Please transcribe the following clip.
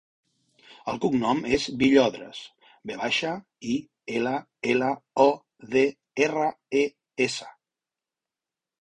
El cognom és Villodres: ve baixa, i, ela, ela, o, de, erra, e, essa.